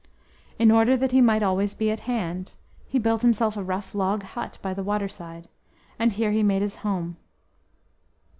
In order that he might be always at hand, he built himself a rough log hut by the waterside, and here he made his home.